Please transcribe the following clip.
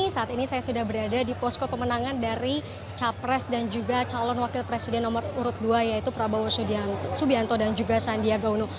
saat ini saya sudah berada di posko pemenangan dari capres dan juga calon wakil presiden nomor urut dua yaitu prabowo subianto dan juga sandiaga uno